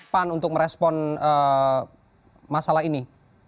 pan untuk merespon masalah ini